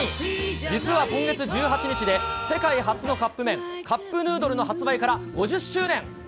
実は今月１８日で世界初のカップ麺、カップヌードルの発売から５０周年。